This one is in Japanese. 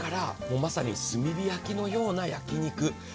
まさに炭火焼きのような焼き肉。